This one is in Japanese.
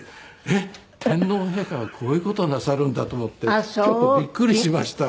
「えっ天皇陛下がこういう事なさるんだ」と思ってちょっとびっくりしました。